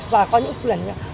và có những chuyển nhật